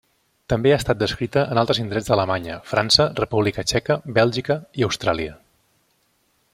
També ha estat descrita en altres indrets d'Alemanya, França, República Txeca, Bèlgica i Austràlia.